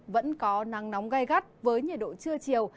vẫn có nắng nóng gai gắt với nhiệt độ trưa chiều